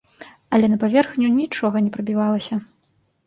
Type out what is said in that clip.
Але на паверхню нічога не прабівалася.